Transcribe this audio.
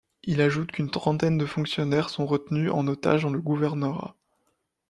Il ajoute qu'une trentaine de fonctionnaires sont retenus en otages dans le gouvernorat.